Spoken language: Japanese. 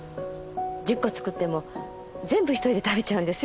１０個作っても全部一人で食べちゃうんですよ。